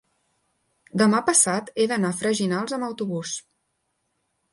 demà passat he d'anar a Freginals amb autobús.